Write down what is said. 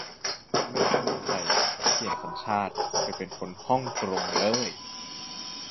ไม่รักเมืองไทย ก็เปลี่ยนสัญชาติไปเป็นคนห้องกรงเลย !